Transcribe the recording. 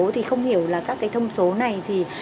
thì không hiểu là các cái thông số này